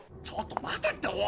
ちょっと待てって！